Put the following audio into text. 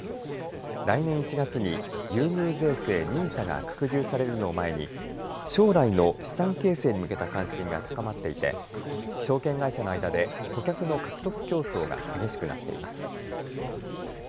来年１月に優遇税制、ＮＩＳＡが拡充されるのを前に将来の資産形成に向けた関心が高まっていて、証券会社の間で顧客の獲得競争が激しくなっています。